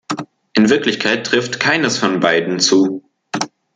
In Wirklichkeit trifft keines von beiden zu.